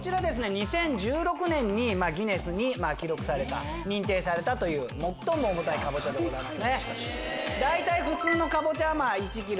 ２０１６年に『ギネス』に記録された認定されたという最も重たいカボチャでございます。